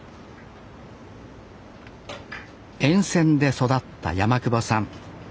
沿線で育った山久保さん。